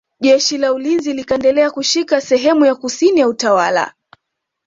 Jeshi la ulinzi likaendelea kushika sehemu ya kusini ya utawala